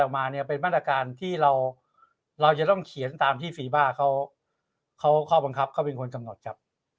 ออกมาเนี่ยเป็นมาตรการที่เราเราจะต้องเขียนตามที่ฟีบาร์เขา